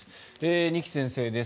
二木先生です。